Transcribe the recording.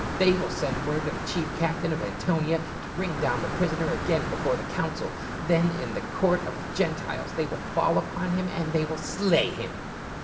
They will send word to the chief captain of Antonia to bring down the prisoner again before the council, then in the court of the Gentiles they will fall upon him and slay him."